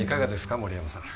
森山さん。